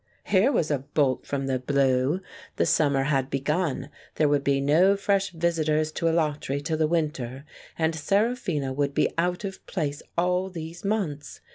Here was a bolt from the blue ! The summer had begun, there would be no fresh visitors to Alatri till the winter, and Seraphina would be out of place all these months.